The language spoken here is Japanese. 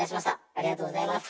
ありがとうございます。